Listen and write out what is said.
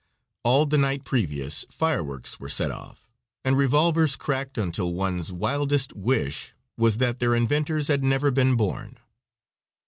All the night previous fireworks were set off, and revolvers cracked until one's wildest wish was that their inventors had never been born.